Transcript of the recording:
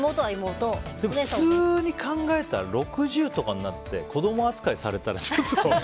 普通に考えたら６０とかになって子供扱いされたら、ちょっと。